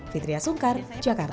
fitriah sungkar jakarta